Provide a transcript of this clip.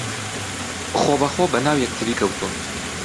خۆبەخۆ بەناو یەکتری کەوتوون